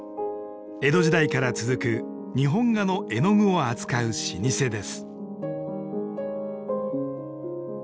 江戸時代から続く日本画の絵の具を扱う老舗です。